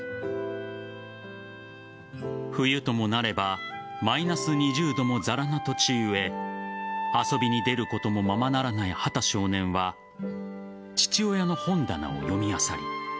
冬ともなればマイナス２０度もざらな土地故遊びに出ることもままならない畑少年は父親の本棚を読み漁り